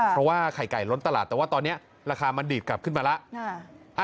เพราะว่าไข่ไก่ล้นตลาดแต่ว่าตอนนี้ราคามันดีดกลับขึ้นมาแล้ว